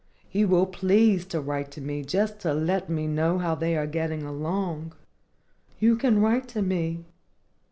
You will please to write to me just to let me know how they are getting along. You can write to me.